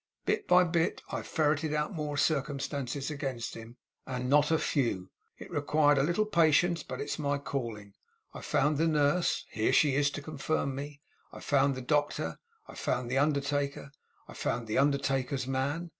Bit by bit, I ferreted out more circumstances against him, and not a few. It required a little patience, but it's my calling. I found the nurse here she is to confirm me; I found the doctor, I found the undertaker, I found the undertaker's man.